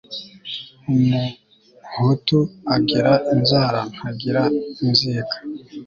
umuhutu agira inzara ntagira inzika